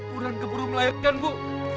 buruan keburu melayakkan bu